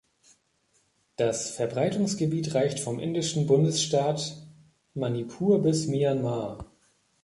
Das Verbreitungsgebiet reicht vom indischen Bundesstaat Manipur bis Myanmar.